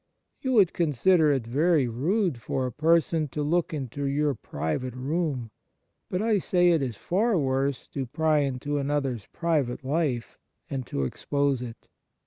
You would consider it very rude for a person to look into your private room ; but I say it is far worse to pry into another s private life and to expose it.